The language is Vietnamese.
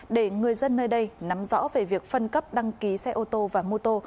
để người dân nơi đây nắm rõ về việc phân cấp đăng ký xe ô tô và mô tô